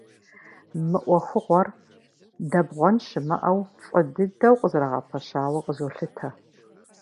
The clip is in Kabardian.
Мы ӏуэхугъуэр, дэбгъуэн щымыӏэу, фӏы дыдэу къызэрагъэпэщауэ къызолъытэ.